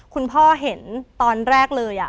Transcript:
คุณพ่อเห็นตอนแรกเลย